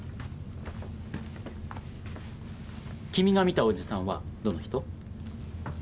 君が見たおじさんはどの人？